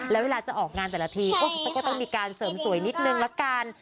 แล้วเวลาจะออกงานแต่ละทีก็ต้องมีการเสริมสวยนิดนึงละกัน